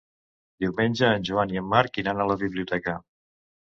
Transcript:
Diumenge en Joan i en Marc iran a la biblioteca.